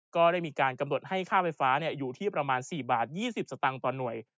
ก็จะมีการกำหนดให้ค่าไฟฟ้าอยู่ที่ประมาณ๔๒๐บาทต่อหน่วย